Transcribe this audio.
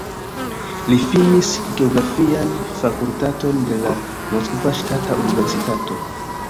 Li finis geografian fakultaton de la Moskva Ŝtata Universitato.